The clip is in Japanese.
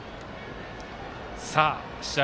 試合